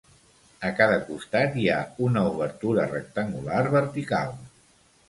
A cada costat hi ha una obertura rectangular vertical.